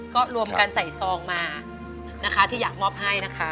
ก็รวมกันใส่ซองมานะคะที่อยากมอบให้นะคะ